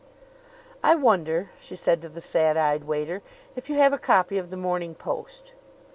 "I wonder," she said to the sad eyed waiter, "if you have a copy of the Morning Post?"